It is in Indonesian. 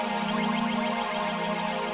aku akan membunuhmu